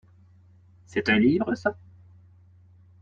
C’est un livre ça ?